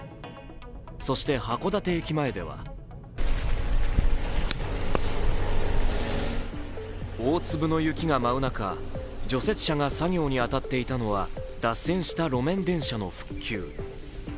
そして、函館駅前では大粒の雪が舞う中除雪車が作業に当たっていたのは脱線した路面電車の復旧。